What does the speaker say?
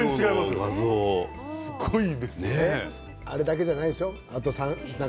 あれだけじゃないんでしょう？